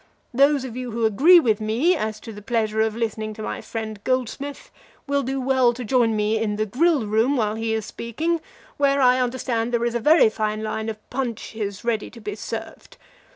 Those of you who agree with me as to the pleasure of listening to my friend Goldsmith will do well to join me in the grill room while he is speaking, where, I understand, there is a very fine line of punches ready to be served.